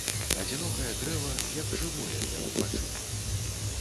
Адзінокае дрэва, як жывое, перад вачыма.